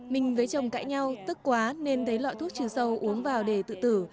mình với chồng cãi nhau tức quá nên lấy lọ thuốc trừ sâu uống vào để tự tử